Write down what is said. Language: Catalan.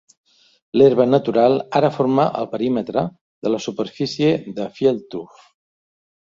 L'herba natural ara forma el perímetre de la superfície de FieldTurf.